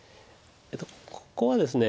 ここはですね